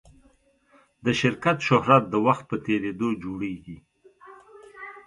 د شرکت شهرت د وخت په تېرېدو جوړېږي.